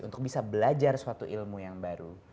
untuk bisa belajar suatu ilmu yang baru